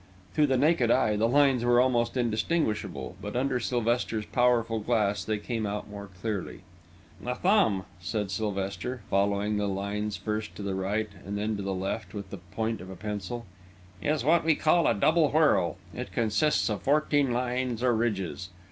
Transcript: To the naked eye, the lines were almost indistinguishable, but under Sylvester's powerful glass they came out more clearly. "The thumb," said Sylvester, following the lines first to the right and then to the left with the point of a pencil, "is what we call a double whorl. It consists of fourteen lines, or ridges.